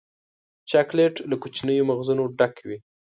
چاکلېټ له کوچنیو مغزونو ډک وي.